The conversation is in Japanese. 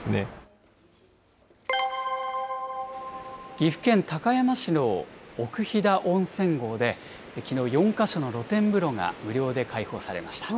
岐阜県高山市の奥飛騨温泉郷で、きのう４か所の露天風呂が無料で開放されました。